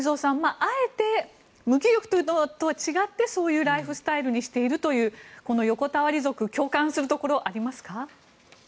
あえて無気力とは違ってそういうライフスタイルにしているというこの横たわり族共感するところありますか？